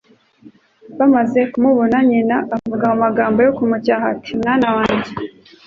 Bamaze kumubona, nyina avuga mu magambo yo kumucyaha ati, '' Mwana wanjye,